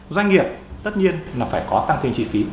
doanh nghiệp tất nhiên là phải có tăng thêm chi phí